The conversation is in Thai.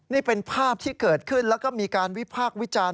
นี่เป็นภาพที่เกิดขึ้นแล้วก็มีการวิพากษ์วิจารณ์